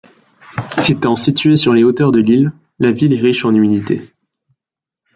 Étant située sur les hauteurs de l'île, la ville est riche en humidité.